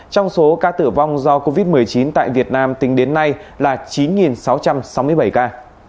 trong số ca tử vong do covid một mươi chín tại việt nam tính đến nay là chín sáu trăm sáu mươi bảy ca